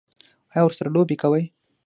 ایا ورسره لوبې کوئ؟